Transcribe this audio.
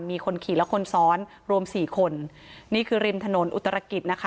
มีคนขี่และคนซ้อนรวมสี่คนนี่คือริมถนนอุตรกิจนะคะ